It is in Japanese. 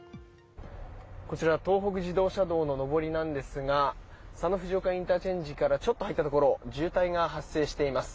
こちら東北自動車道の上りなんですが佐野藤岡ＩＣからちょっと入ったところ渋滞が発生しています。